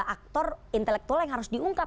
aktor intelektual yang harus diungkap